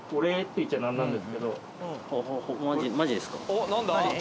おっ何だ？